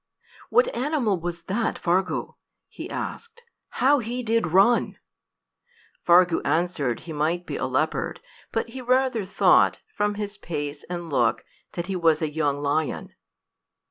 "What animal was that, Fargu?" he asked. "How he did run!" Fargu answered he might be a leopard, but he rather thought, from his pace and look, that he was a young lion.